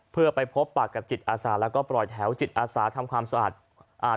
เพื่อไปพบปากกับจิตอาสาแล้วก็ปล่อยแถวจิตอาสาทำความสะอาดอ่า